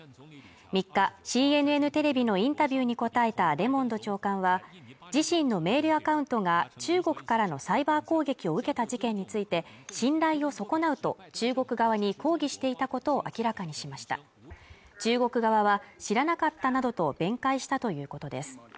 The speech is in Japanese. ３日ＣＮＮテレビのインタビューに答えたレモンド長官は自身のメールアカウントが中国からのサイバー攻撃を受けた事件について信頼を損なうと中国側に抗議していたことを明らかにしました中国側は知らなかったなどと弁解したということです